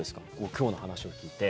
今日の話を聞いて